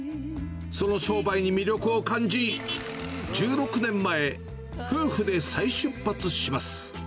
その商売に魅力を感じ、１６年前、夫婦で再出発します。